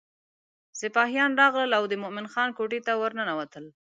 سپاهیان راغلل او د مومن خان کوټې ته ورننوته.